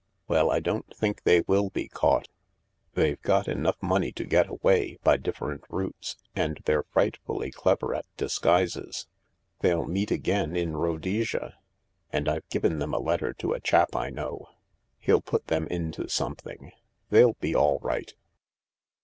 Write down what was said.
"Well, I don't think they will be caught. They've got 284 THE LARK enough money to get away— by different routes— and they're frightfully clever at disguises. They'll meet again in Rhodesia. And I've given them a letter to a chap I know. Hell put them into something. They'll be all right."